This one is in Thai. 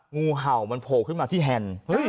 งูเห่ามันโผล่ขึ้นมาที่แฮนด์